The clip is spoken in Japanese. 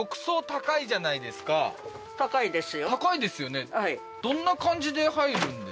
ねえ高いですよね